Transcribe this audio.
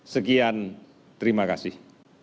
sekian terima kasih